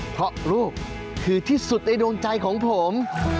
เพราะลูกคือที่สุดในดวงใจของผม